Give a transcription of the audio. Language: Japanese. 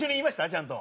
ちゃんと。